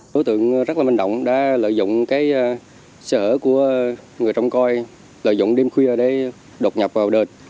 đối tượng rất là minh động đã lợi dụng cái sở của người trong coi lợi dụng đêm khuya để đột nhập vào đền